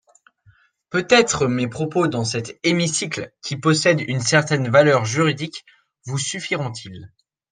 Peut-être mes propos dans cet hémicycle, qui possèdent une certaine valeur juridique, vous suffiront-ils.